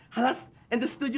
halas anda setuju